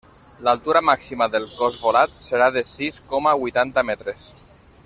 L'altura màxima del cos volat serà de sis coma huitanta metres.